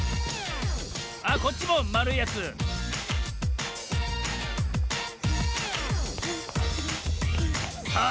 あっこっちもまるいやつさあ